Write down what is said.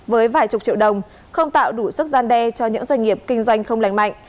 với vài chục triệu đồng không tạo đủ sức gian đe cho những doanh nghiệp kinh doanh không lành mạnh